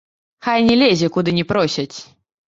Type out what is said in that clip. Хай не лезе, куды не просяць.